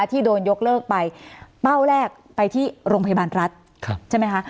ที่โดนยกเลิกไปเป้าแรกไปที่โรงพยาบาลรัฐใช่ไหมคะ